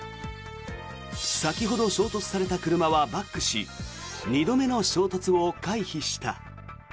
先ほど衝突された車はバックし２度目の衝突を回避した。